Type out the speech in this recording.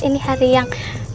ini hari yang